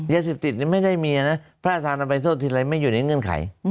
ยาเสพติดไม่ได้มีนะพระอาจารย์อภัยโทษทีไรไม่อยู่ในเงื่อนไข